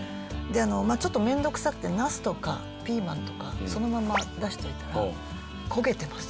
まあちょっと面倒くさくてナスとかピーマンとかそのまま出しておいたら焦げてます。